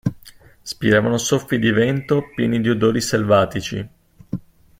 Spiravano soffi di vento, pieni di odori selvatici.